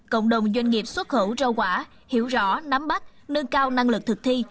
cộng đồng doanh nghiệp xuất khẩu rau quả hiểu rõ nắm bắt nâng cao năng lực thực thi